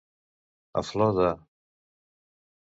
A flor de.